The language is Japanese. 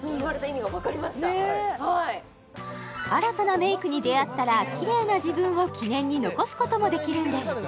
はい新たなメイクに出会ったらキレイな自分を記念に残すこともできるんです